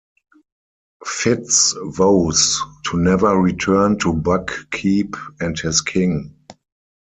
Fitz vows to never return to Buckkeep and his king.